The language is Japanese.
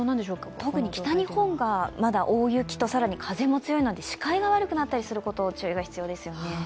特に北日本が、まだ大雪と更に風も強いので視界が悪くなったりすることに注意が必要ですよね。